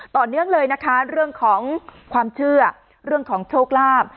ต่อเนื่องเลยนะคะเรื่องของความเชื่อเรื่องของโชคลาภ